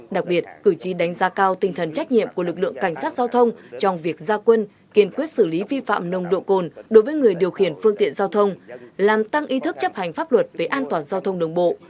đặc biệt cử tri đánh giá cao tinh thần trách nhiệm của lực lượng cảnh sát giao thông trong việc gia quân kiên quyết xử lý vi phạm nồng độ cồn đối với người điều khiển phương tiện giao thông làm tăng ý thức chấp hành pháp luật về an toàn giao thông đường bộ